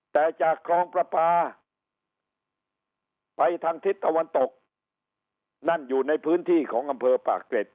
แต่จากคลองประปาไปทางทิศตะวันตกนั่นอยู่ในพื้นที่ของอำเภอปากเกร็ด